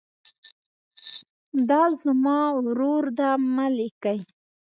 دا زما ورور ده مه لیکئ.